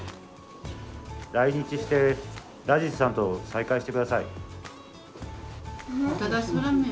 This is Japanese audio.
来日してラジズさんと再会してください。